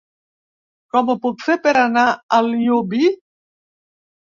Com ho puc fer per anar a Llubí?